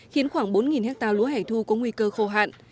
khiến khoảng bốn hectare lúa hẻ thu có nguy cơ khô hạn